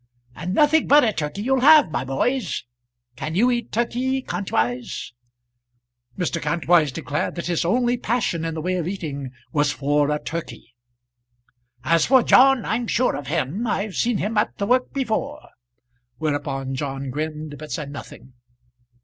"And nothing but a turkey you'll have, my boys. Can you eat turkey, Kantwise?" Mr. Kantwise declared that his only passion in the way of eating was for a turkey. "As for John, I'm sure of him. I've seen him at the work before." Whereupon John grinned but said nothing.